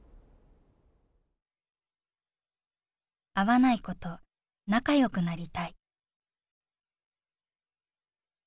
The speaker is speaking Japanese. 「合わない子と仲良くなりたい」。